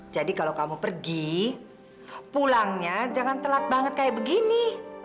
jadi kalau kamu pergi pulangnya jangan telat banget kayak begini